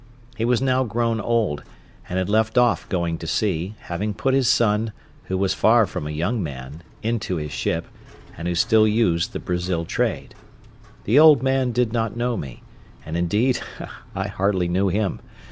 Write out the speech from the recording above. He was now grown old, and had left off going to sea, having put his son, who was far from a young man, into his ship, and who still used the Brazil trade. The old man did not know me, and indeed I hardly knew him.